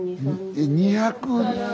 えっ２００。